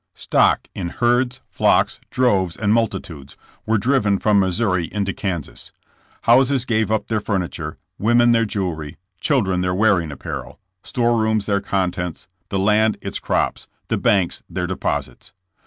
"Stock in herds, flocks, droves and multitudes, were driven from Missouri into Kansas. Houses gave up their furniture; women their jewelry; children their wearing apparel; storerooms their contents; the land its crops; the banks their deposits.